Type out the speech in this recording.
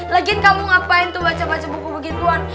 lagiin kamu ngapain tuh baca baca buku begituan